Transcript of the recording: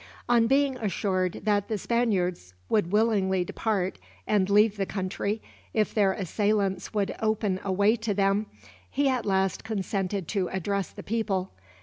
On being assured that the Spaniards would willingly depart, and leave the country, if their assailants would open a way to them, he at last consented to address the people.